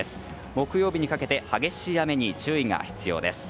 木曜日にかけて激しい雨に注意が必要です。